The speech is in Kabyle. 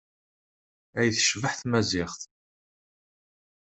Ay tecbeḥ tmaziɣt!